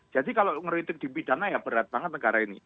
jadi kalau ngeritik di bidana ya berat banget negara ini